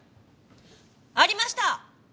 ありました！